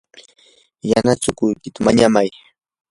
yana chukuykita mañamay.